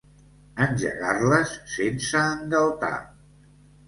Engegar-les sense engaltar.